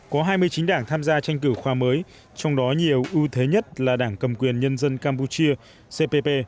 có hai mươi chín đảng tham gia tranh cử khoa mới trong đó nhiều ưu thế nhất là đảng cầm quyền nhân dân campuchia cpp